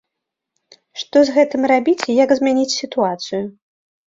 Што з гэтым рабіць і як змяніць сітуацыю?